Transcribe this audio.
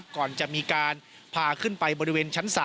ก่อนจะมีการพาขึ้นไปบริเวณชั้น๓